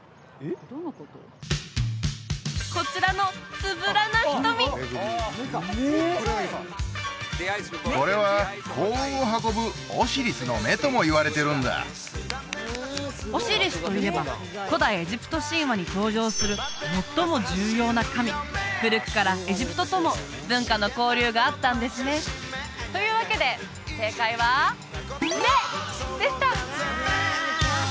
こちらのつぶらな瞳オシリスといえば古代エジプト神話に登場する最も重要な神古くからエジプトとも文化の交流があったんですねというわけで正解は「目」でしたうわ